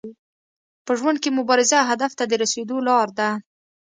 په ژوند کي مبارزه هدف ته د رسیدو لار ده.